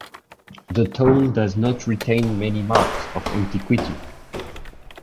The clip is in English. The town does not retain many marks of antiquity.